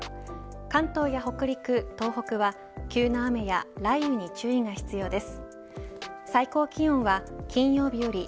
関東や北陸、東北は急な雨や雷雨に注意が必要です。